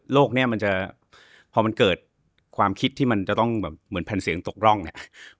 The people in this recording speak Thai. เนี่ยมันจะพอมันเกิดความคิดที่มันจะต้องแบบเหมือนแผ่นเสียงตกร่องเนี่ย